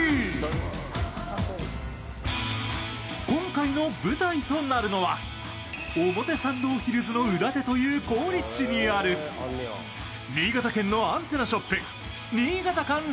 今回の舞台となるのは、表参道ヒルズの裏手という好立地にある新潟県のアンテナショップ、新潟館